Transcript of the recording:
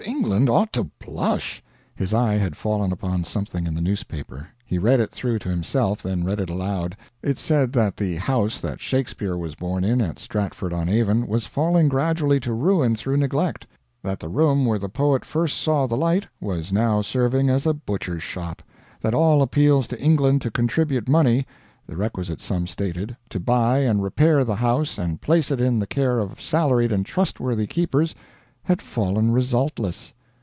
England ought to blush." His eye had fallen upon something in the newspaper. He read it through to himself, then read it aloud. It said that the house that Shakespeare was born in at Stratford on Avon was falling gradually to ruin through neglect; that the room where the poet first saw the light was now serving as a butcher's shop; that all appeals to England to contribute money (the requisite sum stated) to buy and repair the house and place it in the care of salaried and trustworthy keepers had fallen resultless.